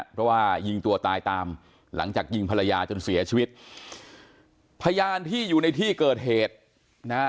เพราะว่ายิงตัวตายตามหลังจากยิงภรรยาจนเสียชีวิตพยานที่อยู่ในที่เกิดเหตุนะฮะ